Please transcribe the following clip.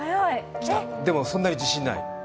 でもそんなに自信ない。